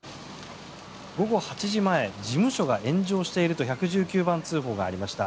午後８時前事務所が炎上していると１１９番通報がありました。